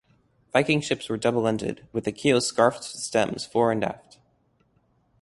Viking ships were double-ended, with a keel scarfed to stems fore and aft.